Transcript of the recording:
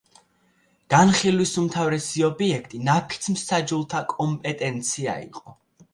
განხილვის უმთავრესი ობიექტი ნაფიც-მსაჯულთა კომპეტენცია იყო.